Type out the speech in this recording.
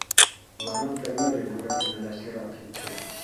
Бына Тәлмәрйен һүрәтенә лә сират етте.